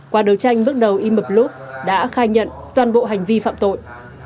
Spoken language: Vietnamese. qua đấu tranh bước đầu y mập lúc đã khai nhận toàn bộ hành vi phạm tội